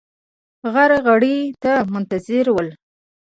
غرغړې ته منتظر ول.